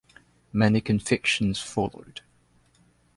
Many convictions followed.